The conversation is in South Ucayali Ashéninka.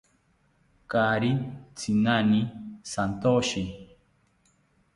Kaari tzinani shantyoshi